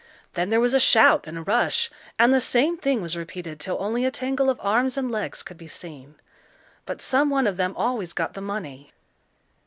Then there was a shout and a rush, and the same thing was repeated till only a tangle of arms and legs could be seen. But some one of them always got the money.